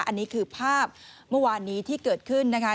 อันนี้คือภาพเมื่อวานนี้ที่เกิดขึ้นนะคะ